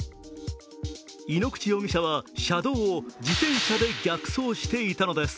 井ノ口容疑者は車道を自転車で逆走していたのです。